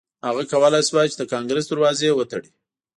هغه کولای شوای د کانګریس دروازې وتړي.